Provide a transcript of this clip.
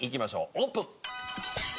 オープン！